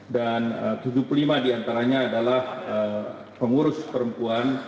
dan tujuh puluh lima diantaranya adalah pengurus perempuan